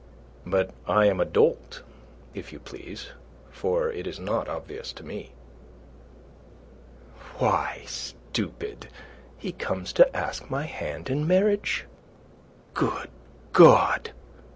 But I am a dolt, if you please; for it is not obvious to me." "Why, stupid, he comes to ask my hand in marriage." "Good God!"